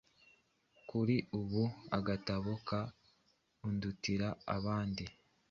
Kuri ubu agatabo ka ‘Undutira abandi’